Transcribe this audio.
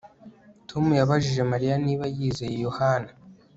Tom yabajije Mariya niba yizeye Yohana